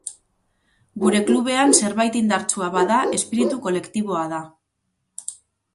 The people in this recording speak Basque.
Gure klubean zerbait indartsua bada espiritu kolektiboa da.